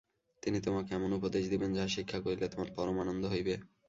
তিনি তোমাকে এমন উপদেশ দিবেন, যাহা শিক্ষা করিলে তোমার পরম আনন্দ হইবে।